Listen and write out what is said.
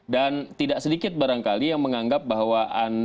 dan tidak sedikit barangkali yang menganggap bahwa